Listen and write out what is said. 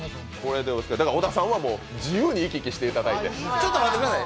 だから小田さんは自由に行き来していただいてちょっと待ってください。